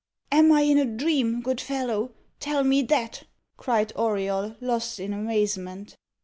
"Am I in a dream, good fellow, tell me that?" cried Auriol, lost in amazement.